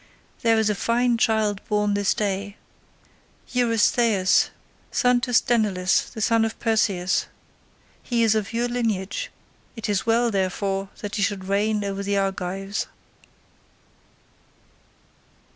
There is a fine child born this day, Eurystheus, son to Sthenelus the son of Perseus; he is of your lineage; it is well, therefore, that he should reign over the Argives.